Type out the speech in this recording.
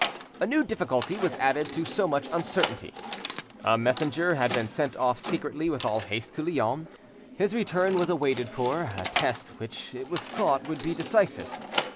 A new difficulty was added to so much uncertainty. A messenger had been sent off secretly with all haste to Lyons; his return was awaited for a test which it was thought would be decisive.